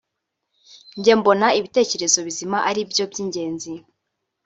njye mbona ibitekerezo bizima ari byo by’ingenzi